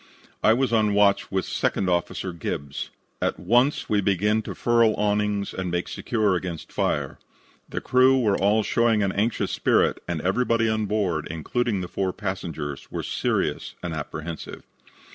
"I was on watch with Second Officer Gibbs. At once we began to furl awnings and make secure against fire. The crew were all showing an anxious spirit, and everybody on board, including the four passengers, were serious and apprehensive.